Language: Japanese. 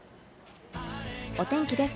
お天気です。